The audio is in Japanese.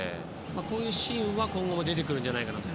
こういうシーンは今後も出てくるんじゃないかなと。